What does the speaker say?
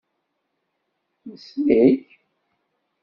Nessen-ik?